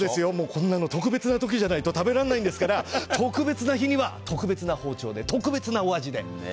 こんなの特別な時じゃないと食べられないですから特別な日には特別な包丁で特別なお味で。